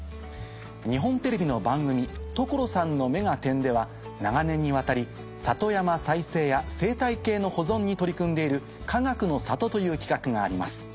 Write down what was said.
日本テレビの番組『所さんの目がテン！』では長年にわたり里山再生や生態系の保存に取り組んでいる「かがくの里」という企画があります。